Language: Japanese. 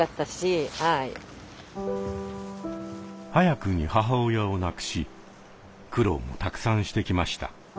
早くに母親を亡くし苦労もたくさんしてきました。